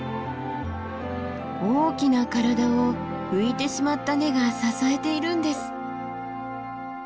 大きな体を浮いてしまった根が支えているんです。